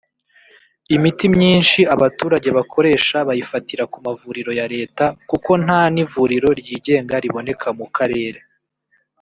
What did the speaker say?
Imiti myinshi abaturage bakoresha bayifatira ku mavuriro ya Leta kuko nta n’ivuriro ryigenga riboneka mu karere